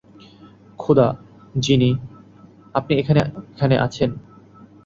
খোদা, জিনি, আপনি এখনো এখানে আছেন?